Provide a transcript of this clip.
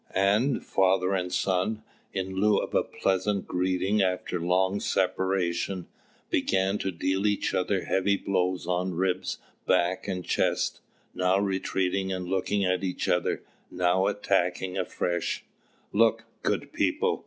And father and son, in lieu of a pleasant greeting after long separation, began to deal each other heavy blows on ribs, back, and chest, now retreating and looking at each other, now attacking afresh. "Look, good people!